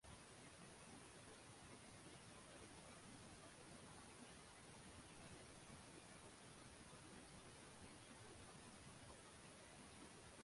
নির্ধারিত আটটি লক্ষ্যমাত্রা হলোঃ